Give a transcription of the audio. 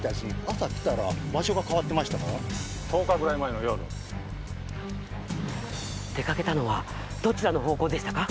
朝来たら場所が変わってましたから１０日ぐらい前の夜出かけたのはどちらの方向でしたか？